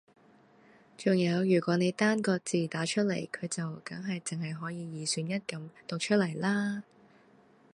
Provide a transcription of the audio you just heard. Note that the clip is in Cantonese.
仲有如果你單個字打出嚟佢就梗係淨係可以二選一噉讀出嚟啦